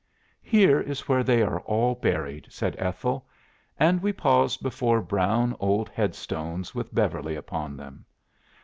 "'Here is where they are all buried,' said Ethel, and we paused before brown old headstones with Beverly upon them.